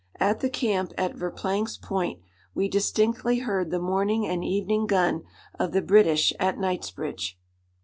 At the camp at Verplank's Point we distinctly heard the morning and evening gun of the British at Knightsbridge."